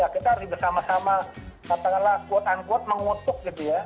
kita harus bersama sama mengutuk